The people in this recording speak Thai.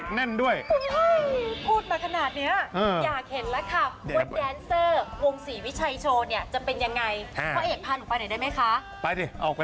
ขออภัยกุบ้าจ้านี่สอนเต้นมาด้วยนะคะ